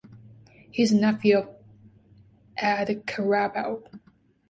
He is the nephew of Aed Carabao.